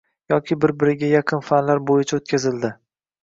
yoki bir-biriga yaqin fanlar bo‘yicha o‘tkazildi